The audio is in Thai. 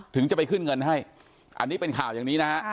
ถึงจะไปขึ้นเงินให้อันนี้เป็นข่าวอย่างนี้นะฮะ